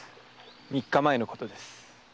三日前のことです。